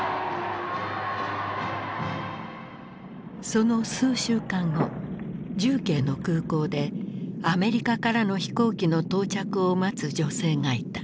その数週間後重慶の空港でアメリカからの飛行機の到着を待つ女性がいた。